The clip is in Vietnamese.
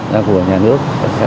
của nhà nước